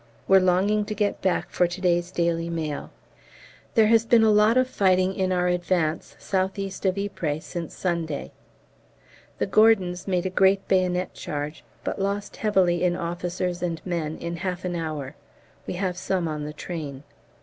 We're longing to get back for to day's 'Daily Mail.' There has been a lot of fighting in our advance south east of Ypres since Sunday. The Gordons made a great bayonet charge, but lost heavily in officers and men in half an hour; we have some on the train.